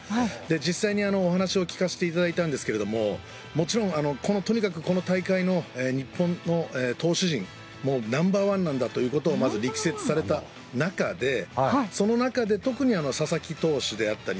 実際にお話を聞かせていただいたんですがもちろん、とにかくこの大会の日本の投手陣ナンバーワンなんだということをまず力説された中でその中で特に佐々木投手であったり